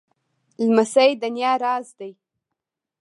لمسی د نیا راز دی.